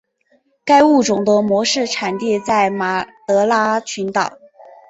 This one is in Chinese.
该物种的模式产地在马德拉群岛。